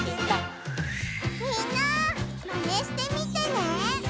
みんなマネしてみてね！